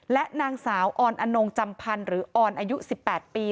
และนางสาวออนอนงจำพันธ์หรือออนอายุ๑๘ปี